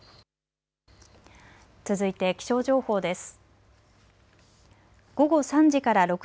続いて気象情報です。